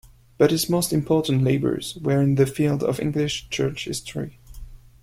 But his most important labours were in the field of English church history.